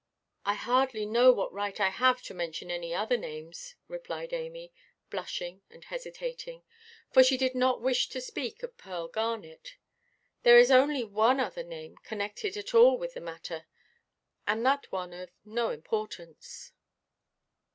"I hardly know what right I have to mention any other names," replied Amy, blushing and hesitating, for she did not wish to speak of Pearl Garnet; "there is only one other name connected at all with the matter, and that one of no importance."